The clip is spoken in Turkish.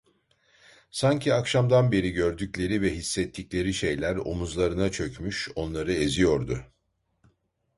Sanki akşamdan beri gördükleri ve hissettikleri şeyler omuzlarına çökmüş onları eziyordu.